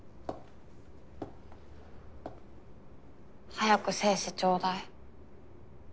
早く精子ちょうだい。